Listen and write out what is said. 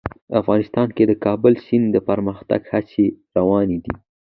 افغانستان کې د د کابل سیند د پرمختګ هڅې روانې دي.